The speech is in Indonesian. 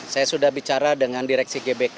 saya sudah bicara dengan direksi gbk